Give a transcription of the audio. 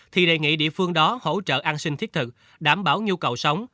thì đề nghị địa phương đó hỗ trợ an sinh thiết thực đảm bảo nhu cầu sống